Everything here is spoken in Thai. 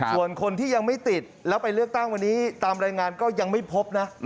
ส่วนคนที่ยังไม่ติดแล้วไปเลือกตั้งวันนี้ตามรายงานก็ยังไม่พบนะ